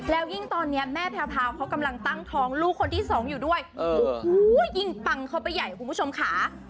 แล้วยิ่งตอนนี้แม่แพรพาวเขากำลังตั้งท้องลูกคนที่สองอยู่ด้วยโอ้โหยิ่งปังเข้าไปใหญ่คุณผู้ชมค่ะ